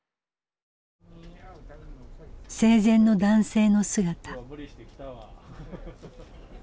生前の男性の姿。